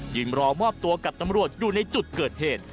รอมอบตัวกับตำรวจอยู่ในจุดเกิดเหตุ